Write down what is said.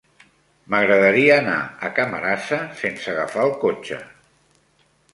M'agradaria anar a Camarasa sense agafar el cotxe.